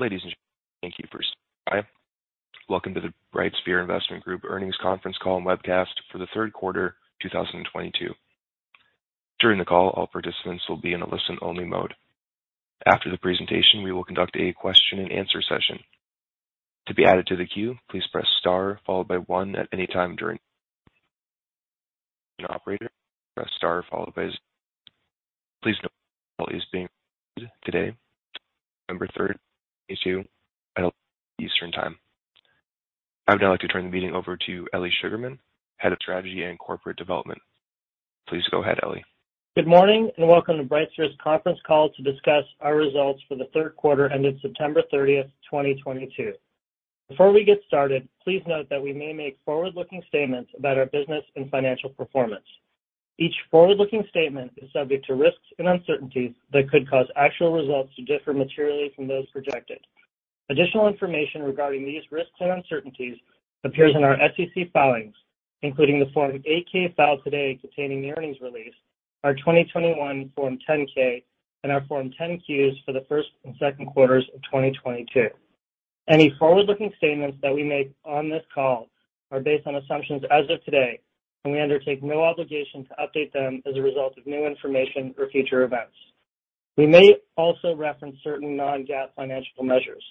Ladies and gentlemen, thank you. Hi, welcome to the BrightSphere Investment Group Earnings Conference Call and Webcast for the third quarter 2022. During the call, all participants will be in a listen-only mode. After the presentation, we will conduct a question and answer session. To be added to the queue, please press star followed by one at any time during the call. Please note that this call is being recorded today, November 3rd, 2022, at Eastern Time. I would now like to turn the meeting over to Elie Sugarman, Head of Strategy and Corporate Development. Please go ahead, Elie. Good morning and welcome to BrightSphere's conference call to discuss our results for the third quarter ended September 30th, 2022. Before we get started, please note that we may make forward-looking statements about our business and financial performance. Each forward-looking statement is subject to risks and uncertainties that could cause actual results to differ materially from those projected. Additional information regarding these risks and uncertainties appears in our SEC filings, including the Form 8-K filed today containing the earnings release, our 2021 Form 10-K, and our Form 10-Qs for the first and second quarters of 2022. Any forward-looking statements that we make on this call are based on assumptions as of today, and we undertake no obligation to update them as a result of new information or future events. We may also reference certain non-GAAP financial measures.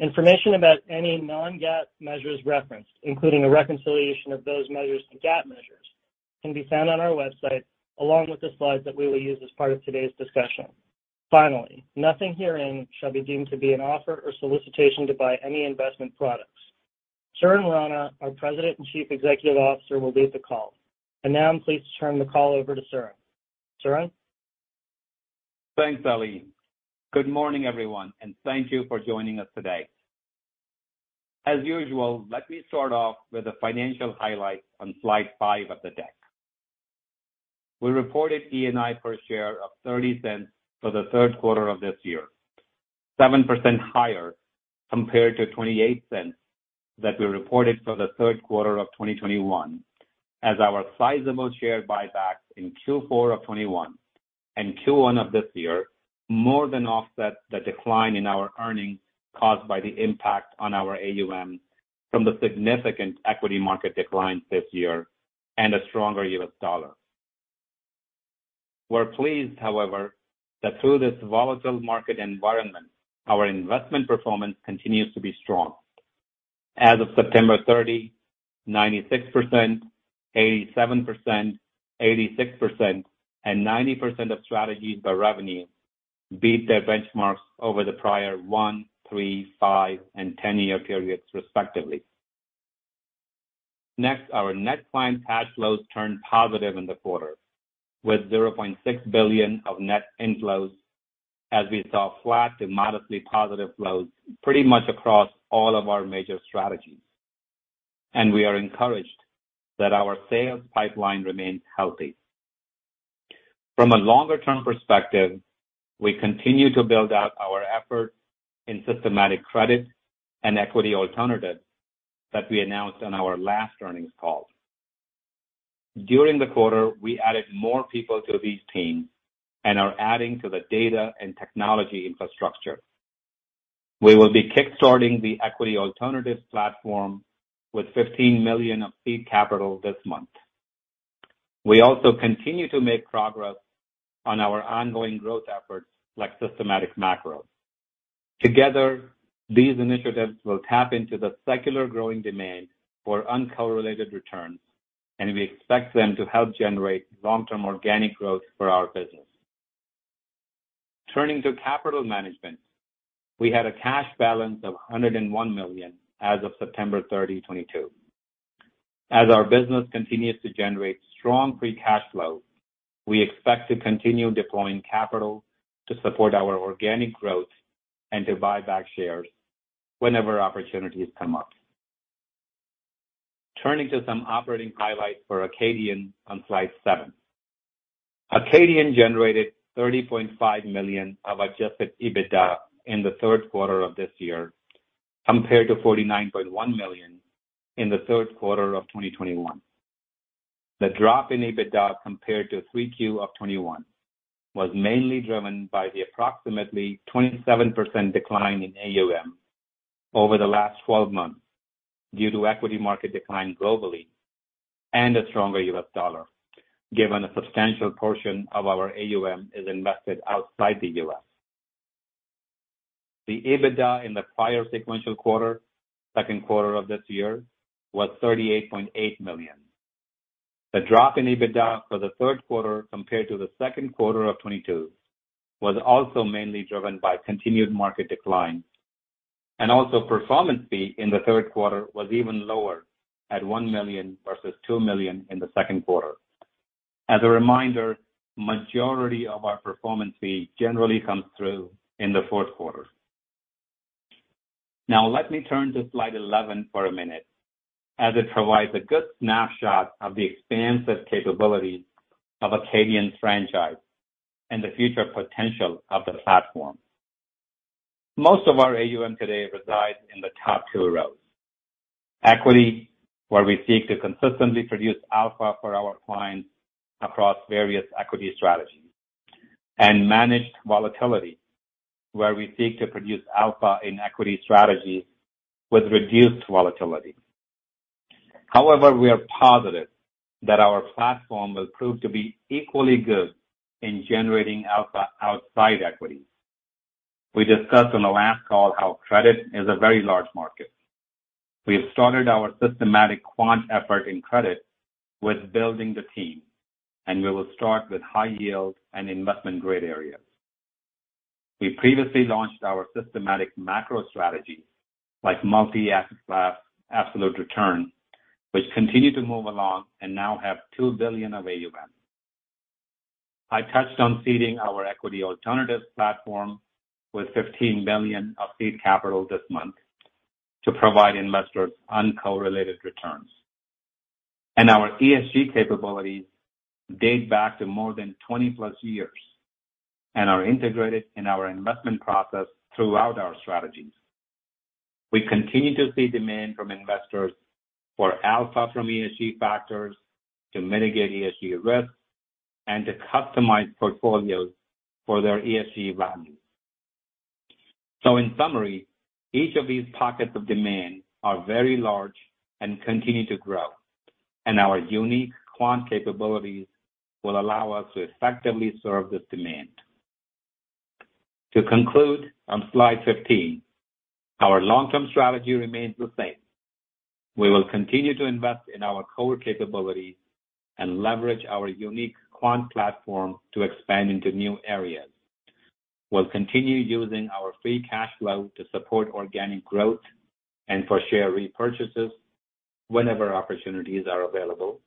Information about any non-GAAP measures referenced, including a reconciliation of those measures to GAAP measures, can be found on our website, along with the slides that we will use as part of today's discussion. Finally, nothing herein shall be deemed to be an offer or solicitation to buy any investment products. Suren Rana, our President and Chief Executive Officer, will lead the call. Now I'm pleased to turn the call over to Suren. Suren? Thanks, Elie. Good morning, everyone, and thank you for joining us today. As usual, let me start off with the financial highlights on slide five of the deck. We reported ENI per share of $0.30 for the third quarter of this year, 7% higher compared to $0.28 that we reported for the third quarter of 2021, as our sizable share buyback in Q4 of 2021 and Q1 of this year more than offset the decline in our earnings caused by the impact on our AUM from the significant equity market decline this year and a stronger U.S. dollar. We're pleased, however, that through this volatile market environment, our investment performance continues to be strong. As of September 30th, 96%, 87%, 86%, and 90% of strategies by revenue beat their benchmarks over the prior one-, three-, five-, and 10-year periods, respectively. Next, our net client cash flows turned positive in the quarter, with $0.6 billion of net inflows as we saw flat to modestly positive flows pretty much across all of our major strategies. We are encouraged that our sales pipeline remains healthy. From a longer-term perspective, we continue to build out our effort in systematic credit and equity alternatives that we announced on our last earnings call. During the quarter, we added more people to these teams and are adding to the data and technology infrastructure. We will be kickstarting the equity alternatives platform with $15 million of seed capital this month. We also continue to make progress on our ongoing growth efforts like systematic macro. Together, these initiatives will tap into the secular growing demand for uncorrelated returns, and we expect them to help generate long-term organic growth for our business. Turning to capital management, we had a cash balance of $101 million as of September 30th, 2022. As our business continues to generate strong free cash flow, we expect to continue deploying capital to support our organic growth and to buy back shares whenever opportunities come up. Turning to some operating highlights for Acadian on slide seven. Acadian generated $30.5 million of Adjusted EBITDA in the third quarter of this year, compared to $49.1 million in the third quarter of 2021. The drop in EBITDA compared to Q3 of 2021 was mainly driven by the approximately 27% decline in AUM over the last 12 months due to equity market decline globally and a stronger U.S. dollar, given a substantial portion of our AUM is invested outside the U.S. The EBITDA in the prior sequential quarter, second quarter of this year, was $38.8 million. The drop in EBITDA for the third quarter compared to the second quarter of 2022 was also mainly driven by continued market decline. Also performance fee in the third quarter was even lower at $1 million versus $2 million in the second quarter. As a reminder, majority of our performance fee generally comes through in the fourth quarter. Now let me turn to slide 11 for a minute, as it provides a good snapshot of the expansive capabilities of Acadian's franchise and the future potential of the platform. Most of our AUM today resides in the top two rows. Equity, where we seek to consistently produce alpha for our clients across various equity strategies. Managed volatility, where we seek to produce alpha in equity strategies with reduced volatility. However, we are positive that our platform will prove to be equally good in generating alpha outside equity. We discussed on the last call how credit is a very large market. We have started our systematic quant effort in credit with building the team, and we will start with high yield and investment-grade areas. We previously launched our systematic macro strategy, like multi-asset class absolute return, which continue to move along and now have 2 billion of AUM. I touched on seeding our equity alternatives platform with $15 million of seed capital this month to provide investors uncorrelated returns. Our ESG capabilities date back to more than 20+ years and are integrated in our investment process throughout our strategies. We continue to see demand from investors for alpha from ESG factors to mitigate ESG risks and to customize portfolios for their ESG values. In summary, each of these pockets of demand are very large and continue to grow, and our unique quant capabilities will allow us to effectively serve this demand. To conclude, on slide 15, our long-term strategy remains the same. We will continue to invest in our core capabilities and leverage our unique quant platform to expand into new areas. We'll continue using our free cash flow to support organic growth and for share repurchases whenever opportunities are available,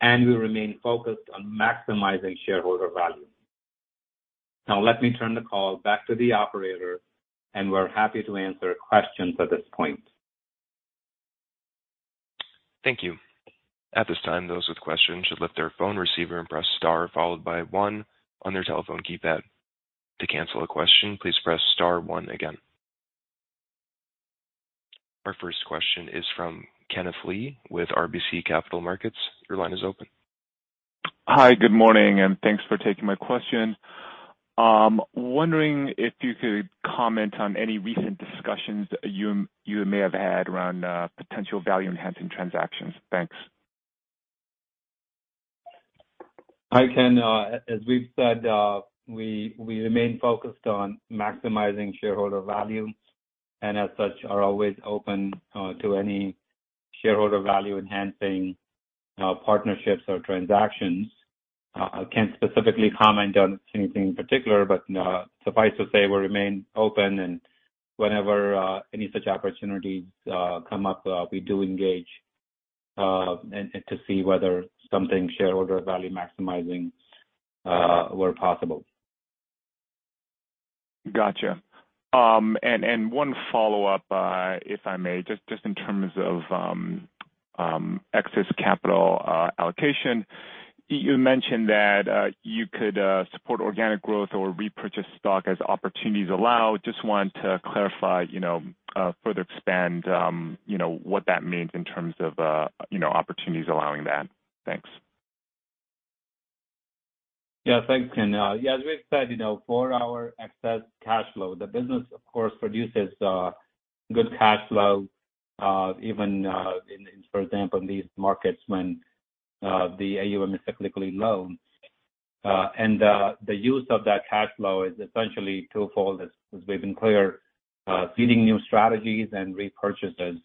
and we remain focused on maximizing shareholder value. Now let me turn the call back to the operator, and we're happy to answer questions at this point. Thank you. At this time, those with questions should lift their phone receiver and press star followed by one on their telephone keypad. To cancel a question, please press star one again. Our first question is from Kenneth Lee with RBC Capital Markets. Your line is open. Hi, good morning, and thanks for taking my question. Wondering if you could comment on any recent discussions you may have had around potential value enhancing transactions. Thanks. Hi, Ken. As we've said, we remain focused on maximizing shareholder value and as such are always open to any shareholder value enhancing partnerships or transactions. I can't specifically comment on anything in particular, but suffice to say, we remain open, and whenever any such opportunities come up, we do engage and to see whether something shareholder value maximizing were possible. Gotcha. And one follow-up, if I may, just in terms of excess capital allocation. You mentioned that you could support organic growth or repurchase stock as opportunities allow. Just want to clarify, you know, further expand, you know, what that means in terms of, you know, opportunities allowing that. Thanks. Yeah, thanks, Ken. Yeah, as we've said, you know, for our excess cash flow, the business of course produces good cash flow even in, for example, these markets when the AUM is cyclically low. The use of that cash flow is essentially twofold, as we've been clear, feeding new strategies and repurchases.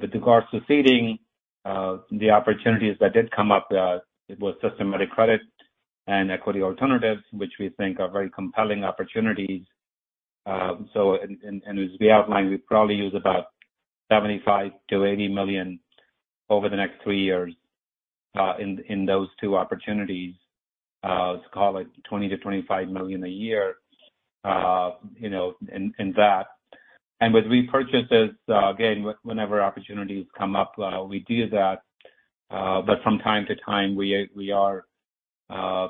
With regards to seeding, the opportunities that did come up, it was systematic credit and equity alternatives, which we think are very compelling opportunities. As we outlined, we probably use about $75 million-$80 million over the next three years in those two opportunities, let's call it $20 million-$25 million a year, you know, in that. With repurchases, again, whenever opportunities come up, we do that. From time to time, we are,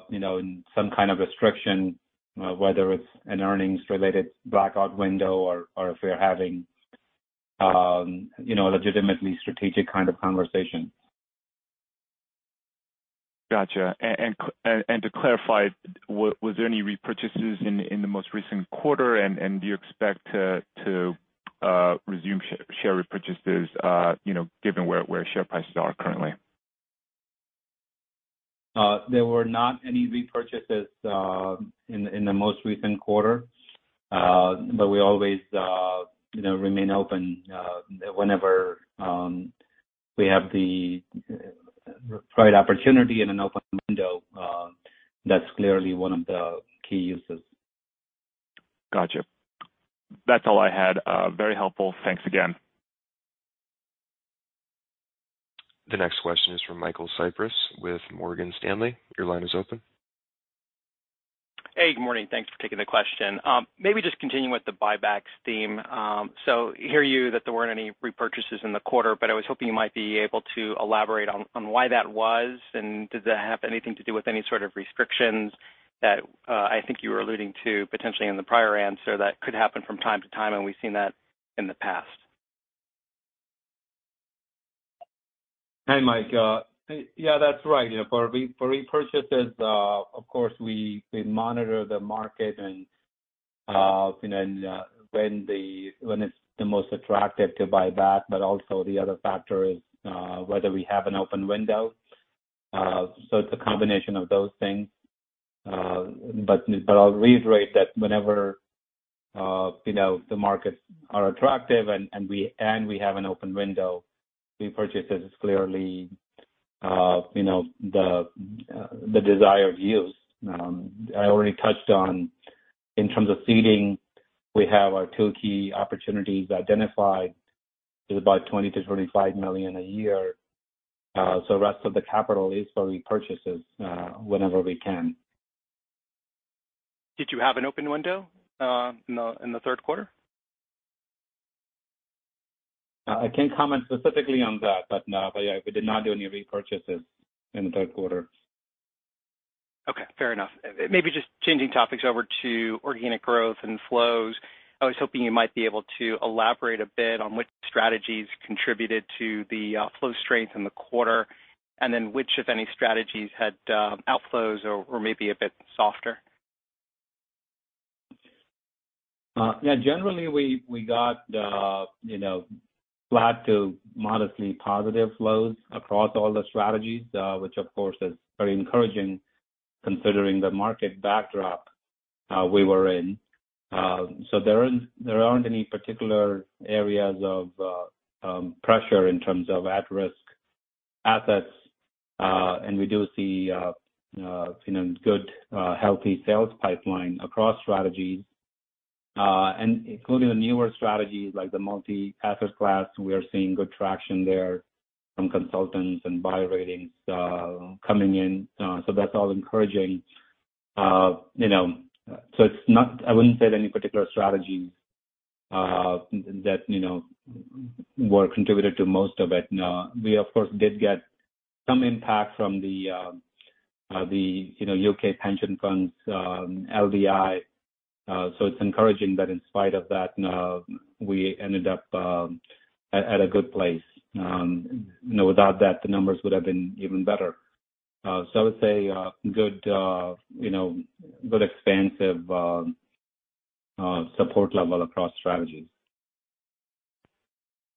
you know, in some kind of restriction, whether it's an earnings-related blackout window or if we're having, you know, a legitimately strategic kind of conversation. Gotcha. To clarify, was there any repurchases in the most recent quarter? Do you expect to resume share repurchases, you know, given where share prices are currently? There were not any repurchases in the most recent quarter. We always, you know, remain open whenever we have the right opportunity and an open window. That's clearly one of the key uses. Gotcha. That's all I had. Very helpful. Thanks again. The next question is from Michael Cyprys with Morgan Stanley. Your line is open. Hey, good morning. Thanks for taking the question. Maybe just continuing with the buybacks theme. So I hear you that there weren't any repurchases in the quarter, but I was hoping you might be able to elaborate on why that was, and does that have anything to do with any sort of restrictions that I think you were alluding to potentially in the prior answer that could happen from time to time, and we've seen that in the past? Hey, Michael. Yeah, that's right. You know, for repurchases, of course, we monitor the market and you know, when it's the most attractive to buy back, but also the other factor is whether we have an open window. So it's a combination of those things. I'll reiterate that whenever you know the markets are attractive and we have an open window, repurchase is clearly you know the desired use. I already touched on in terms of seeding, we have our two key opportunities identified. It's about $20 million-$25 million a year. Rest of the capital is for repurchases whenever we can. Did you have an open window in the third quarter? I can't comment specifically on that, but, yeah, we did not do any repurchases in the third quarter. Okay, fair enough. Maybe just changing topics over to organic growth and flows. I was hoping you might be able to elaborate a bit on which strategies contributed to the flow strength in the quarter, and then which, if any, strategies had outflows or maybe a bit softer? Yeah, generally, we got, you know, flat to modestly positive flows across all the strategies, which of course is very encouraging considering the market backdrop we were in. There aren't any particular areas of pressure in terms of at-risk assets. We do see, you know, good healthy sales pipeline across strategies and including the newer strategies like the multi-asset class. We are seeing good traction there from consultants and buyer ratings coming in. That's all encouraging. You know, so it's not. I wouldn't say any particular strategies that, you know, were contributed to most of it. No. We, of course, did get some impact from the, you know, UK pension funds LDI. It's encouraging that in spite of that, we ended up at a good place. You know, without that, the numbers would have been even better. I would say good, you know, good expansive support level across strategies.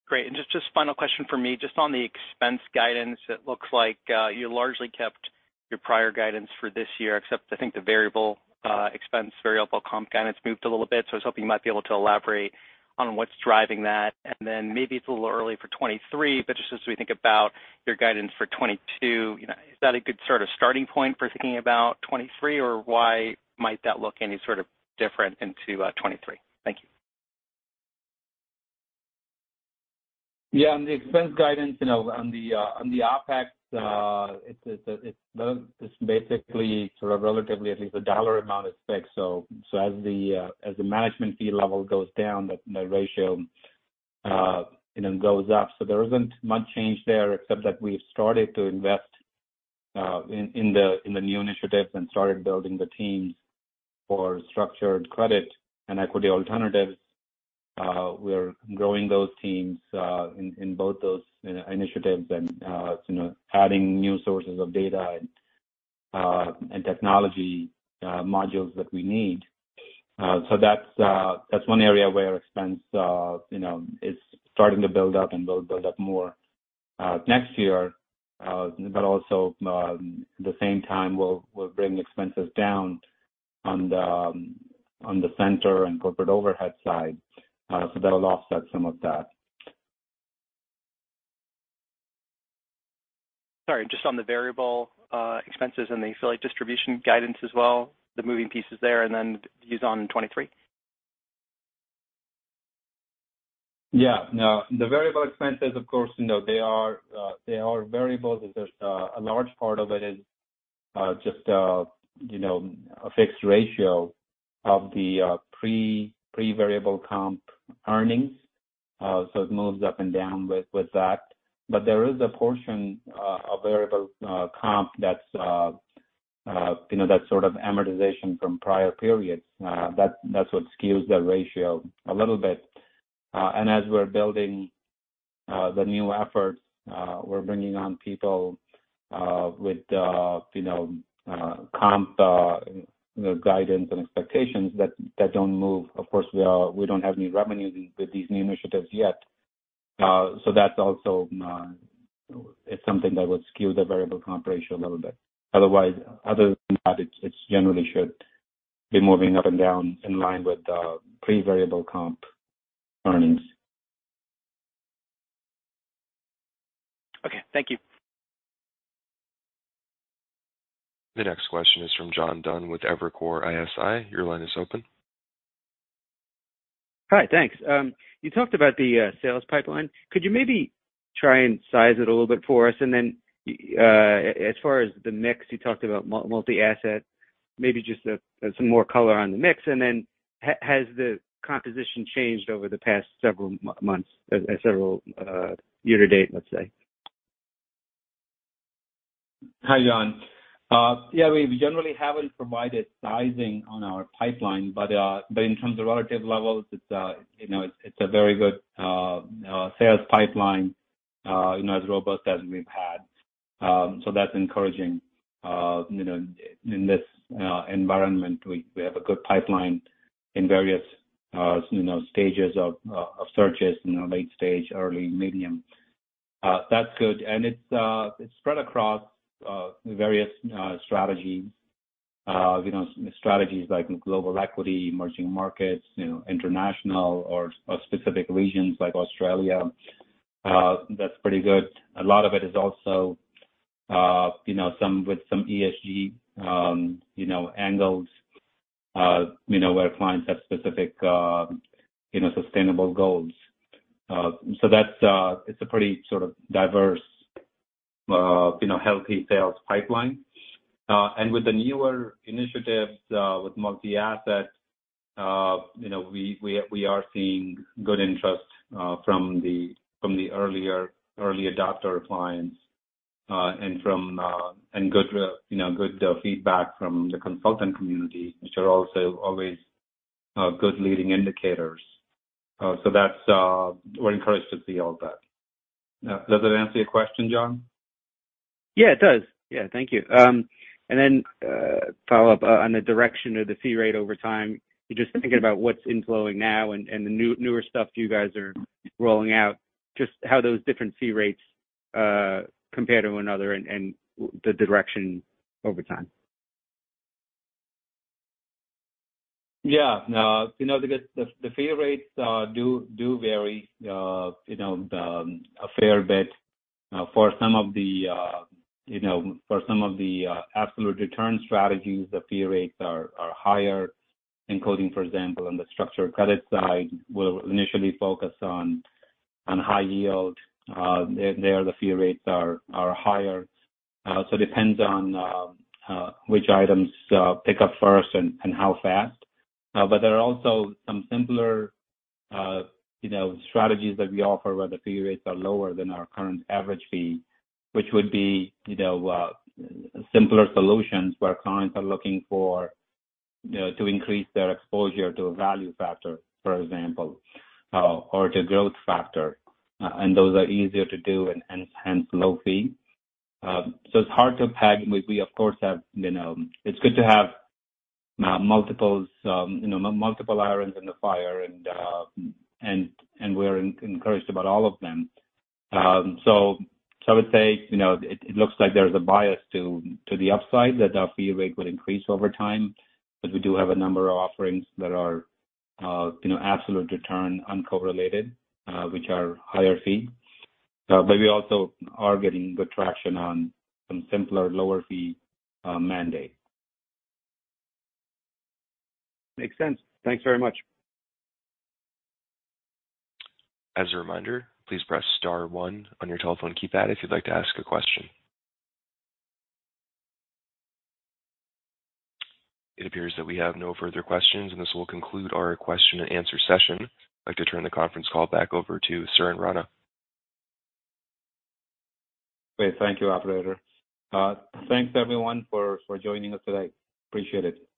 Great. Just final question for me, just on the expense guidance, it looks like you largely kept your prior guidance for this year, except I think the variable expense, variable comp guidance moved a little bit. I was hoping you might be able to elaborate on what's driving that. Maybe it's a little early for 2023, but just as we think about your guidance for 2022, you know, is that a good sort of starting point for thinking about 2023, or why might that look any sort of different into 2023? Thank you. Yeah. On the expense guidance, you know, on the OpEx, it's basically sort of relatively at least a dollar amount is fixed. So as the management fee level goes down, the ratio, you know, goes up. So there isn't much change there except that we've started to invest in the new initiatives and started building the teams for structured credit and equity alternatives. We're growing those teams in both those initiatives and, you know, adding new sources of data and technology modules that we need. So that's one area where expense, you know, is starting to build up and will build up more next year. At the same time, we'll bring expenses down on the central and corporate overhead side, so that'll offset some of that. Sorry, just on the variable expenses and the affiliate distribution guidance as well, the moving pieces there and then views on in 2023. Yeah. No. The variable expenses, of course, you know, they are variable. There's a large part of it is just you know a fixed ratio of the pre-variable comp earnings. So it moves up and down with that. There is a portion of variable comp that's you know that's sort of amortization from prior periods. That's what skews the ratio a little bit. As we're building the new efforts, we're bringing on people with you know comp you know guidance and expectations that don't move. Of course, we don't have any revenue with these new initiatives yet. That's also it's something that would skew the variable comp ratio a little bit. Otherwise, other than that, it's generally should be moving up and down in line with the pre-variable comp earnings. Okay. Thank you. The next question is from John Dunn with Evercore ISI. Your line is open. Hi. Thanks. You talked about the sales pipeline. Could you maybe try and size it a little bit for us? As far as the mix, you talked about multi-asset, maybe just some more color on the mix. Has the composition changed over the past several months year to date, let's say? Hi, John. We generally haven't provided sizing on our pipeline, but in terms of relative levels, it's, you know, a very good sales pipeline, you know, as robust as we've had. So that's encouraging. You know, in this environment, we have a good pipeline in various, you know, stages of searches, you know, late stage, early, medium. That's good. It's spread across various strategies. You know, strategies like global equity, emerging markets, you know, international or specific regions like Australia. That's pretty good. A lot of it is also, you know, with some ESG, you know, angles, you know, where clients have specific, you know, sustainable goals. That's, it's a pretty sort of diverse, you know, healthy sales pipeline. With the newer initiatives with multi-asset, you know, we are seeing good interest from the early adopter clients, you know, good feedback from the consultant community, which are also always good leading indicators. That's. We're encouraged to see all that. Does that answer your question, John? Yeah, it does. Yeah, thank you. Follow-up on the direction of the fee rate over time, just thinking about what's inflowing now and the newer stuff you guys are rolling out, just how those different fee rates compare to one another and the direction over time? Yeah. No, you know, the fee rates do vary, you know, a fair bit for some of the absolute return strategies. The fee rates are higher, including, for example, on the structured credit side. We're initially focused on high yield. There the fee rates are higher. It depends on which items pick up first and how fast. There are also some simpler, you know, strategies that we offer where the fee rates are lower than our current average fee, which would be, you know, simpler solutions where clients are looking for, you know, to increase their exposure to a value factor, for example, or to growth factor. Those are easier to do and hence low fee. It's hard to peg. We of course have, you know, it's good to have multiples, you know, multiple irons in the fire and we're encouraged about all of them. I would say, you know, it looks like there's a bias to the upside that our fee rate would increase over time. We do have a number of offerings that are, you know, absolute return uncorrelated, which are higher fee. We also are getting good traction on some simpler lower fee mandate. Makes sense. Thanks very much. As a reminder, please press star one on your telephone keypad if you'd like to ask a question. It appears that we have no further questions, and this will conclude our question and answer session. I'd like to turn the conference call back over to Suren Rana. Great. Thank you, operator. Thanks everyone for joining us today. Appreciate it.